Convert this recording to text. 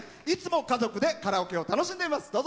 いつも家族でカラオケを楽しんでいます。